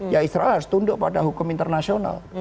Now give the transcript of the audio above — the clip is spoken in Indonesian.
ya israel harus tunduk pada hukum internasional